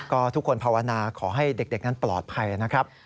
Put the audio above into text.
ก็ทุกคนภาวนาขอให้เด็กนั้นปลอดภัยนะครับ